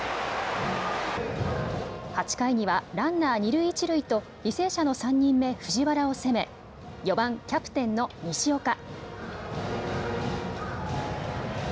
８回にはランナー二塁一塁と履正社の３人目、藤原を攻め、４番・キャプテンの西岡。